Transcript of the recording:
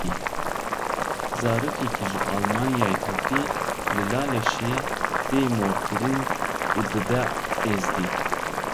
Zarokekî ji Almanyayê hatî li Laleşê tê morkirin û dibe Êzidî.